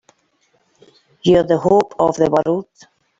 You're the hope of the world!